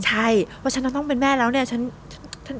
ใช่เพราะฉันต้องเป็นแม่แล้วเนี่ย